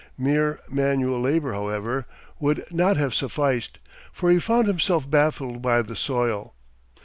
Mere manual labor, however, would not have sufficed; for he found himself baffled by the soil.